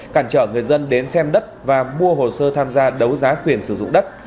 cản trở người dân đến xem đất và mua hồ sơ tham gia đấu giá quyền sử dụng đất